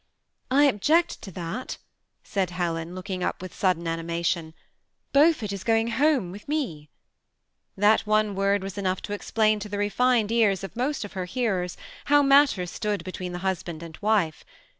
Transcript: THE SEMI ATTACBED COUPLE^ 213 /' I object to that,'! said Helen, looking up with sud • den animation. ^< Beaufort is gqing home with me." That one word was enough to explain to the refined ears «of most of her hearers how matters stood between the husband and wife.